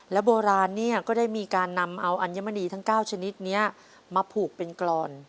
โบราณเนี่ยก็ได้มีการนำเอาอัญมณีทั้ง๙ชนิดนี้มาผูกเป็นกรอน